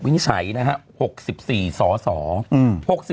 วินิจฉัยนะฮะ๖๔สส